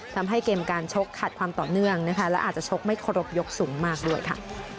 ทำให้เกมการชกขัดความต่อเนื่องนะคะและอาจจะชกไม่ครบยกสูงมากด้วยค่ะ